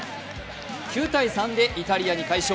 ９−３でイタリアに快勝。